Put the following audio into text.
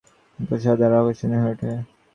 যাতে তার প্রাসাদ আরো আকর্ষণীয় হয়ে ওঠে।